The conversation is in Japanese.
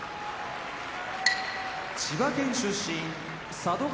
千葉県出身佐渡ヶ